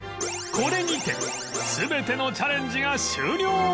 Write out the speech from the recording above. これにて全てのチャレンジが終了